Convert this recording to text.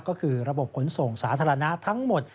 ก็คือระบบขนส่งสาธารณะทั้งหมด